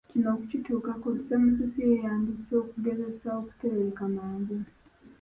Kino okukituukako Semusisi yeeyambisa okugezesa okuteeyoleka mangu.